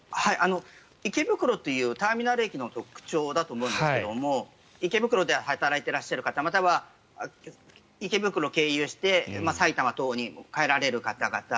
池袋というターミナル駅の特徴だと思うんですが池袋で働いていらっしゃる方または池袋を経由して埼玉等に帰られる方々。